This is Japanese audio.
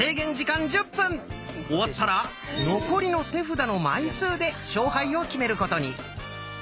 終わったら残りの手札の枚数で勝敗を決めることに。